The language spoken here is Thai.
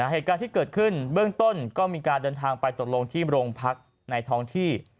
เหตุการณ์ที่เกิดขึ้นเบื้องต้นก็มีการเดินทางไปตกลงที่โรงพักในท้องที่